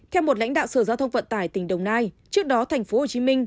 theo một lãnh đạo sở giao thông vận tải tỉnh đồng nai trước đó tp hcm